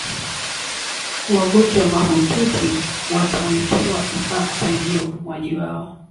wagonjwa mahututi watawekewa vifaa kusaidia upumuaji wao